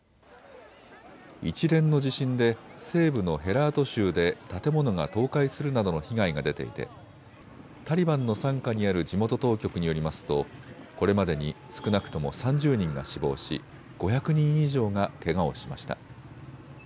一連の地震で西部のヘラート州で建物が倒壊するなどの被害が出ていてタリバンの傘下にある地元当局によりますとこれまでに少なくとも３０人が死亡し、５００人以上がけがをしました。